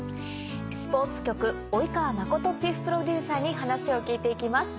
スポーツ局笈川真チーフプロデューサーに話を聞いて行きます。